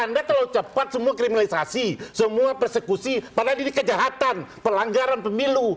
anda terlalu cepat semua kriminalisasi semua persekusi padahal ini kejahatan pelanggaran pemilu